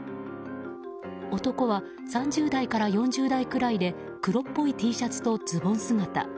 男は３０代から４０代くらいで黒っぽいＴシャツとズボン姿。